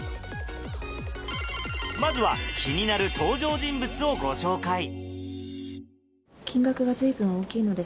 まずは気になる登場人物をご紹介金額が随分大きいのですが。